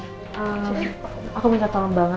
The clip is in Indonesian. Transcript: aku minta tolong banget